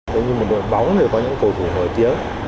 giống như một đội bóng thì có những cầu thủ nổi tiếng